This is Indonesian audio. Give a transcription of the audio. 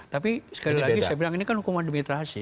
tapi sekali lagi saya bilang ini kan hukuman demilitarasi